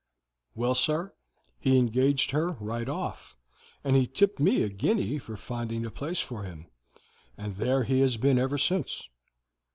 "Well, sir, he engaged her right off, and he tipped me a guinea for finding the place for him, and there he has been ever since.